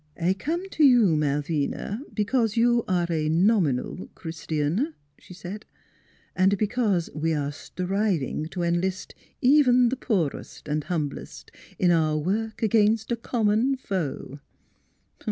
" I come to you, Malvina, because you are a nom inal Chr istian," she said; " and because we are str iving to enlist even the poorest an' hum blest in our work against a common foe."